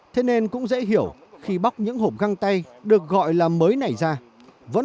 thế nên cũng dễ hiểu khi bóc những hộp găng tay được gọi là mới này ra